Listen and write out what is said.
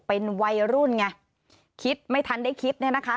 เป็นวัยรุ่นไงคิดไม่ทันได้คิดเนี่ยนะคะ